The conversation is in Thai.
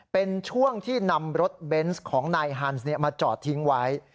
เป็นช่วงที่นำรถเบนส์ของนายฮันส์มาจอดทิ้งไว้